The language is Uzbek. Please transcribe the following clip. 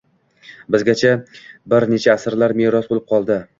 Bizgacha bir necha asarlar meros bo‘lib qoldi.